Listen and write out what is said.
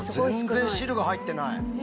全然汁が入ってない。